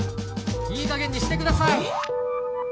いいかげんにしてください！